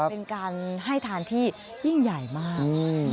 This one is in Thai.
เป็นการให้ทานที่ยิ่งใหญ่มาก